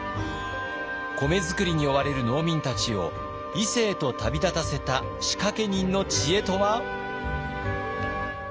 米作りに追われる農民たちを伊勢へと旅立たせた仕掛け人の知恵とは？